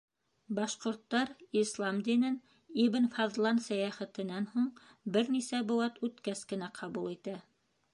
Башҡорттар ислам динен Ибн Фаҙлан сәйәхәтенән һуң бер нисә быуат үткәс кенә ҡабул итә.